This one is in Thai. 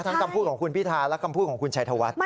คำพูดของคุณพิธาและคำพูดของคุณชัยธวัฒน์